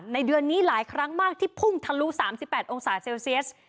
ในเดือนนี้หลายครั้งมากที่พุ่งทะลุสามสิบแปดองศาเซลเซียส